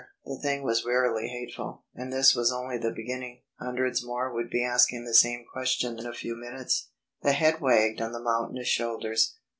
The thing was wearily hateful, and this was only the beginning. Hundreds more would be asking the same question in a few minutes. The head wagged on the mountainous shoulders.